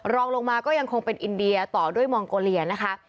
รองลงมาก็ยังคงเป็นอินเดียต่อด้วยมองโกเลียนะคะ